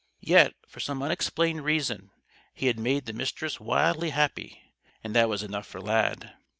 Yet, for some unexplained reason, he had made the Mistress wildly happy. And that was enough for Lad.